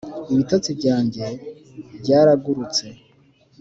ibitotsi byanjye byaragurutse